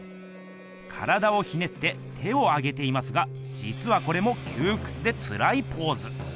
体をひねって手を上げていますがじつはこれもきゅうくつでつらいポーズ。